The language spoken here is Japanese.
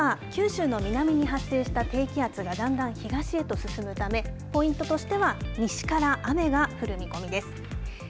あすは九州の南に発生した低気圧がだんだん東へと進むためポイントとしては西から雨が降る見込みです。